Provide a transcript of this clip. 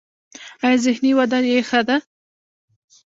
ایا ذهني وده یې ښه ده؟